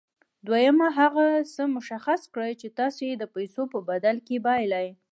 دويم هغه څه مشخص کړئ چې تاسې يې د پیسو په بدل کې بايلئ.